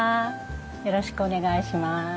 よろしくお願いします。